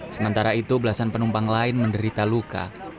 sementara itu belasan penumpang lain menderita luka